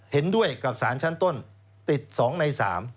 เห็นด้วยกับสารชั้นต้นติด๒ใน๓